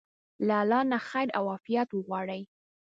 له الله نه خير او عافيت وغواړئ.